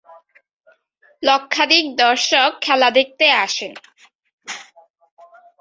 লক্ষাধিক দর্শক খেলা দেখতে আসেন।